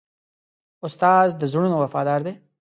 استاد د زړونو وفادار دی.